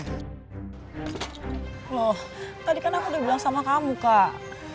loh tadi kan aku udah bilang sama kamu kak